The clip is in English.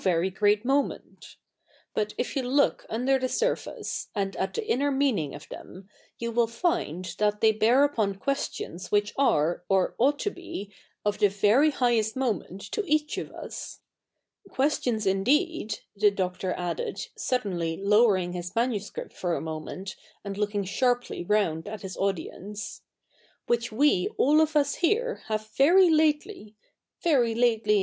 y great 77ioment But if you look U7ider the surface, and at the in7ier mea7iing of them, you ivill fi7id that they bear up07i questions which are, or ought to be, of the very highest 7no77ie7it to each of us — questio7is i7ideed,^ the Doctor added, suddenly lower ing his manuscript for a moment, and looking sharply round at his audience, ' which we all of 7is he7 e have very lately — very lately i?